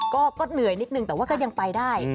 ก็เหนื่อยนิดนึงแต่ว่าก็ยังไปได้